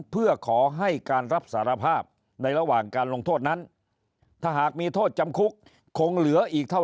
เพื่อขอให้การรับสารภาพในระหว่างการลงโทษนั้นถ้าหากมีโทษจำคุกคงเหลืออีกเท่า